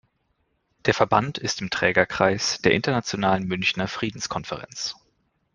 Der Verband ist im Trägerkreis der Internationalen Münchner Friedenskonferenz.